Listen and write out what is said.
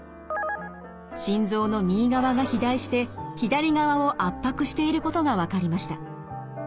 心臓の右側が肥大して左側を圧迫していることが分かりました。